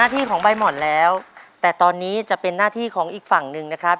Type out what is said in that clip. แต่เป็นหน้าที่ของอีกฝั่งนึงนะครับ